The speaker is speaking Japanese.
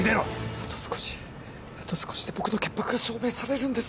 あと少し、あと少しで僕の潔白が証明されるんです。